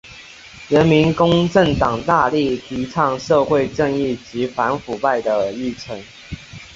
人民公正党大力提倡社会正义及反腐败的议程。